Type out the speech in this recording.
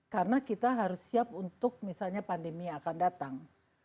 karena kita harus siap untuk misalnya pandemi akan datang